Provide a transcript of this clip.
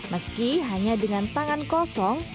meski hanya dengan tangan kosong